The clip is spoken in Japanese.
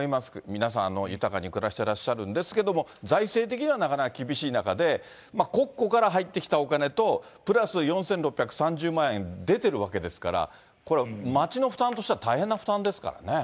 皆さん、豊かに暮らしてらっしゃるんですけど、財政的にはなかなか厳しい中で、国庫から入ってきたお金と、プラス４６３０万円出てるわけですから、これ、町の負担としては大変な負担ですからね。